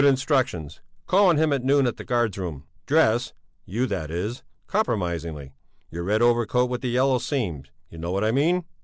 Instructions: Call on him at noon at the guards room. Dress you that is compromisingly. Your red overcoat with the yellow seams, you know what I mean."